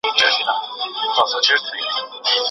موټر چلونکی په خپل ذهن کې د سبا ورځې د نوي کار پلان جوړوي.